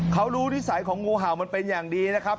เขารู้นิสัยของงูเห่ามันเป็นอย่างดีนะครับ